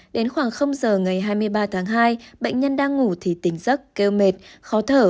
đến khoảng giờ ngày hai mươi ba tháng hai bệnh nhân đang ngủ thì tỉnh giấc kêu mệt khó thở